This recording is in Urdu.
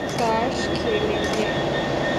تاش کھیلیں گے